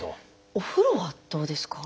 お風呂はどうですか？